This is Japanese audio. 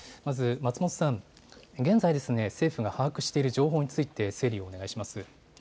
松本さん、現在、政府が把握している情報について整理をお願いします。